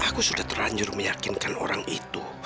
aku sudah terlanjur meyakinkan orang itu